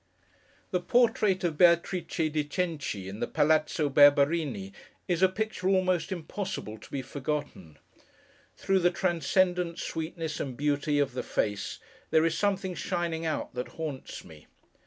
The portrait of Beatrice di Cenci, in the Palazzo Berberini, is a picture almost impossible to be forgotten. Through the transcendent sweetness and beauty of the face, there is a something shining out, that haunts me.